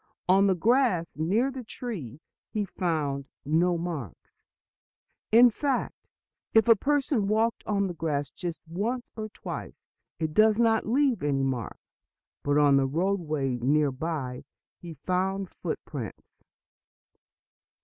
On the grass near the tree he found no marks; in fact, if a person walks on the grass just once or twice it does not leave any mark. But on the roadway near by he found footprints.